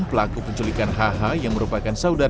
pelaku penculikan haha yang merupakan saudara tiris